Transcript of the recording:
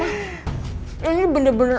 ini benar benar enak banget